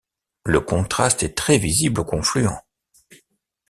Le contraste est très visible au confluent.